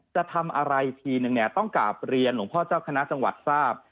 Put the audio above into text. จะทำอะไรทีนึงเนี่ยต้องกลับเรียนหลวงพ่อเจ้าคณะจังหวัดทราบ